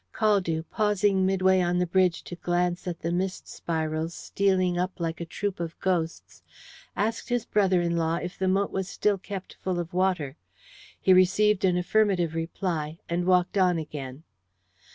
Caldew, pausing midway on the bridge to glance at the mist spirals stealing up like a troop of ghosts, asked his brother in law if the moat was still kept full of water. He received an affirmative reply, and walked on again.